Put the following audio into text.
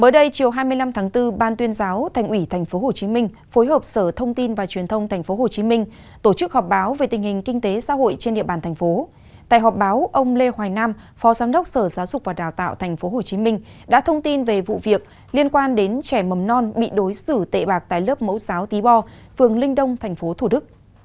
các bạn hãy đăng ký kênh để ủng hộ kênh của chúng mình nhé